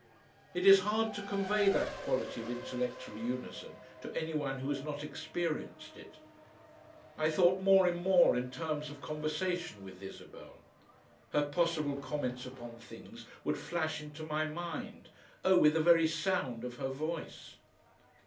It is hard to convey that quality of intellectual unison to any one who has not experienced it. I thought more and more in terms of conversation with Isabel; her possible comments upon things would flash into my mind, oh! with the very sound of her voice.